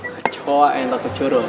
kecoa yang takut sama kecoa